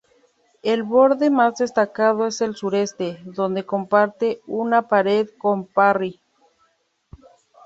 El borde más destacado es el sureste, donde comparte una pared con Parry.